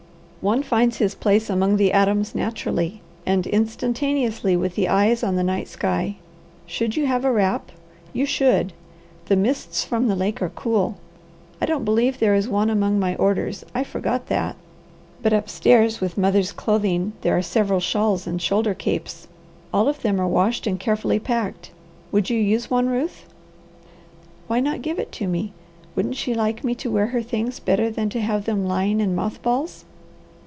One finds his place among the atoms naturally and instantaneously with the eyes on the night sky. Should you have a wrap? You should! The mists from the lake are cool. I don't believe there is one among my orders. I forgot that. But upstairs with mother's clothing there are several shawls and shoulder capes. All of them were washed and carefully packed. Would you use one, Ruth?" "Why not give it to me. Wouldn't she like me to wear her things better than to have them lying in moth balls?"